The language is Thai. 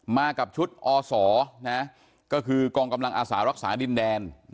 มากับชุดอศก็คือกองกำลังอาสารักษาดินแดน